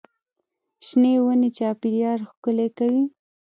شنې ونې چاپېریال ښکلی کوي.